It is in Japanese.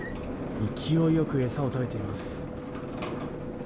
勢いよく餌を食べています。